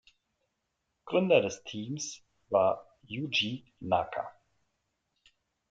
Gründer des Teams war Yuji Naka.